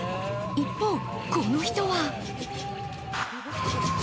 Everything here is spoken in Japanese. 一方、この人は。